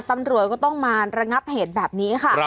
ตำรวจก็ต้องมาระงับเหตุแบบนี้ค่ะ